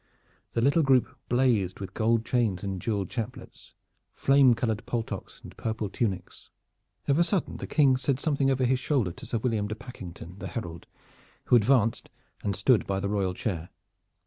The little group blazed with golden chains and jeweled chaplets, flame colored paltocks and purple tunics. Of a sudden the King said something over his shoulder to Sir William de Pakyngton the herald, who advanced and stood by the royal chair.